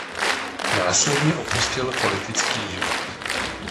Následně opustil politický život.